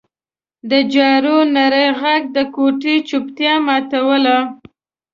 د جارو نري غږ د کوټې چوپتیا ماتوله.